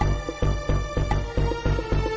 วันไฟดับมันก็เคลื่อนก็ลุก